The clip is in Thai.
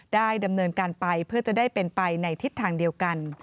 ดำเนินการไปเพื่อจะได้เป็นไปในทิศทางเดียวกัน